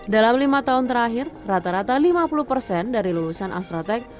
dalam lima tahun terakhir rata rata lima puluh persen dari lulusan astra tech